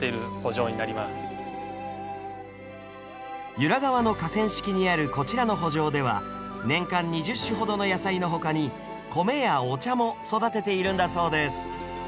由良川の河川敷にあるこちらの圃場では年間２０種ほどの野菜の他に米やお茶も育てているんだそうです